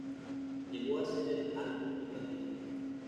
Llegó a ser álbum de platino.